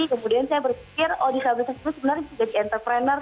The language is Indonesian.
kemudian saya berpikir oh disabilitas itu sebenarnya bisa jadi entrepreneur